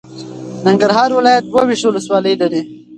ننګرهار ولایت دوه ویشت ولسوالۍ لري.